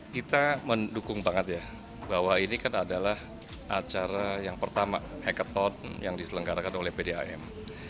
kita mendukung banget ya bahwa ini kan adalah acara yang pertama hacket tone yang diselenggarakan oleh pdam